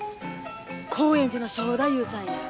興園寺の正太夫さんや。